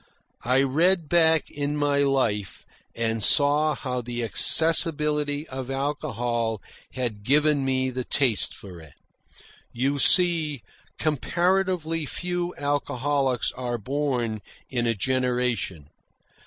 I read back in my life and saw how the accessibility of alcohol had given me the taste for it. You see, comparatively few alcoholics are born in a generation.